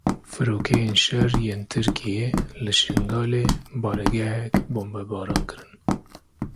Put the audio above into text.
Firokeyên şer ên Tirkiyê li Şingalê baregehek bombebaran kirin.